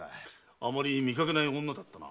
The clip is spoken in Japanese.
あまり見かけない女だったな。